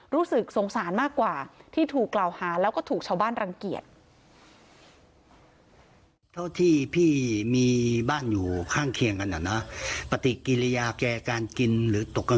รู้สึกสงสารมากกว่าที่ถูกกล่าวหาแล้วก็ถูกชาวบ้านรังเกียจ